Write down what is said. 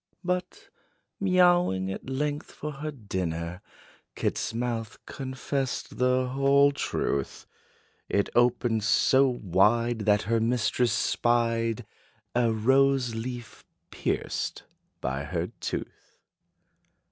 But, mewing at length for her dinner, Kit's mouth confessed the whole truth: It opened so wide, that her mistress spied A rose leaf pierced by her tooth.